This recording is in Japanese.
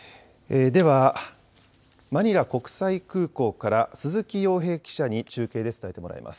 マニラ国際空港から鈴木陽平記者に中継で伝えてもらいます。